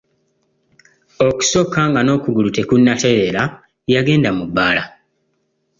Okusooka nga n'okugulu tekunatereera yagenda mu bbaala.